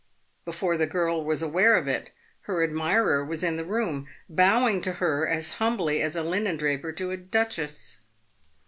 Before the girl was aware of it, her admirer was in the room, bowing to her as humbly as a linen draper to a duchess.